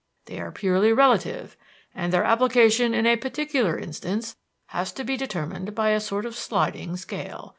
They are purely relative and their application in a particular instance has to be determined by a sort of sliding scale.